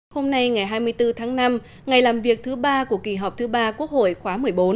hôm nay ngày hai mươi bốn tháng năm ngày làm việc thứ ba của kỳ họp thứ ba quốc hội khóa một mươi bốn